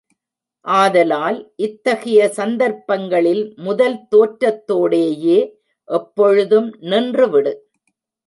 ஆதலால் இத்தகைய சந்தர்ப்பங்களில் முதல் தோற்றத்தோடேயே எப்பொழுதும் நின்றுவிடு.